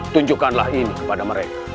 tunjukkanlah ini kepada mereka